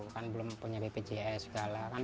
kan belum punya bpjs segala kan